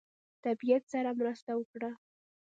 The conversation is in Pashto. طبیعت سره مرسته وکړه.